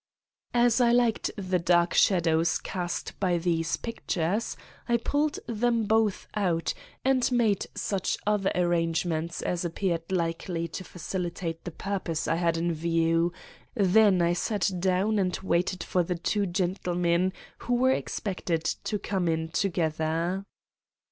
"As I liked the dark shadows cast by these pictures, I pulled them both out, and made such other arrangements as appeared likely to facilitate the purpose I had in view, then I sat down and waited for the two gentlemen who were expected to come in together.